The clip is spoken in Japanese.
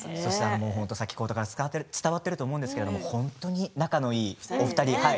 伝わっていると思うんですけれども本当に仲のいいお二人